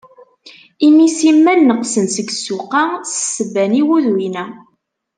Imi simmal neqqsen seg ssuq-a s ssebba n yiguduyen-a.